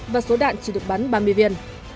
và số đạn chỉ được bắn ba mươi viền